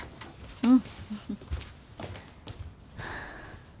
うん。